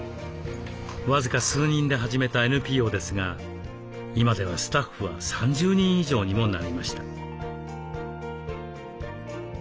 僅か数人で始めたＮＰＯですが今ではスタッフは３０人以上にもなりました。